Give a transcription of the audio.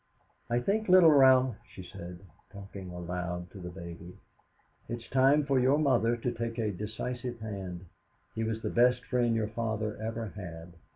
"I think, Little Ralph," she said, talking aloud to the baby, "it's time for your mother to take a decisive hand. He was the best friend your father ever had.